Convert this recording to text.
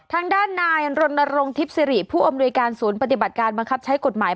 ทางด้านนายรณรงค์ทิพย์สิริผู้อำนวยการศูนย์ปฏิบัติการบังคับใช้กฎหมาย